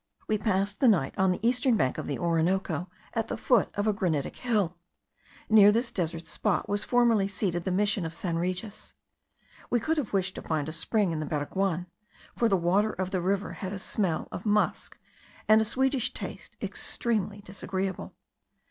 We passed the night on the eastern bank of the Orinoco, at the foot of a granitic hill. Near this desert spot was formerly seated the Mission of San Regis. We could have wished to find a spring in the Baraguan, for the water of the river had a smell of musk, and a sweetish taste extremely disagreeable.